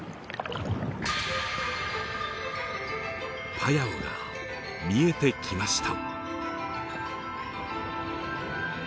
パヤオが見えてきました。